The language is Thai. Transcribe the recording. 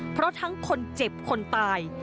เพราะทั้งคนเจ็บคนตาย